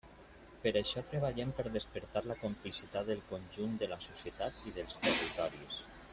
Per això treballem per despertar la complicitat del conjunt de la societat i dels territoris.